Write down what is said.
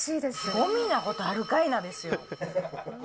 ごみなことあるかいなですよ。